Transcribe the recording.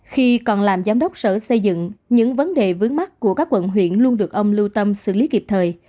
khi còn làm giám đốc sở xây dựng những vấn đề vướng mắt của các quận huyện luôn được ông lưu tâm xử lý kịp thời